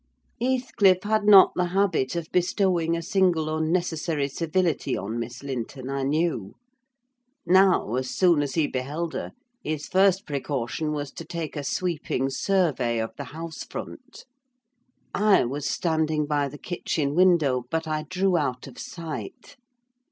Heathcliff had not the habit of bestowing a single unnecessary civility on Miss Linton, I knew. Now, as soon as he beheld her, his first precaution was to take a sweeping survey of the house front. I was standing by the kitchen window, but I drew out of sight.